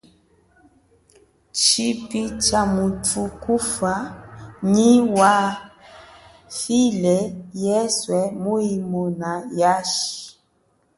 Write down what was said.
Tshipi tsha muthu kufa nyi wafile yeswe muimona yashi.